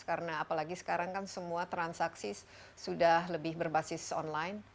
karena apalagi sekarang kan semua transaksi sudah lebih berbasis online